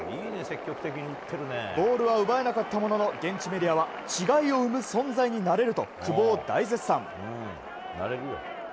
ゴールは奪えなかったものの現地メディアは違いを生む存在になれると久保を大絶賛。